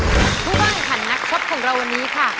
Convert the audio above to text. ทุกคนค่ะนักชอบของเราวันนี้ค่ะ